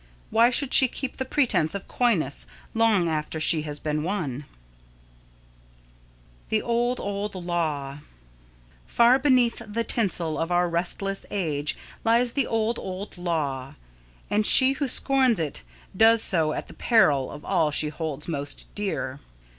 Why should she keep the pretence of coyness long after she has been won? [Sidenote: The Old, Old Law] Far beneath the tinsel of our restless age lies the old, old law, and she who scorns it does so at the peril of all she holds most dear.